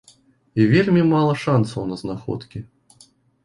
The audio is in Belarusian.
І вельмі мала шанцаў на знаходкі.